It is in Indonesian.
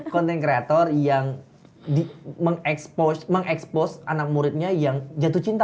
content creator yang mengekspos anak muridnya yang jatuh cinta